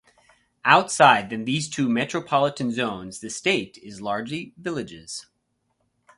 Outside than these two metropolitan zones, the state is largely villages.